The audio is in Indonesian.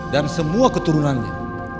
dan semua keturunannya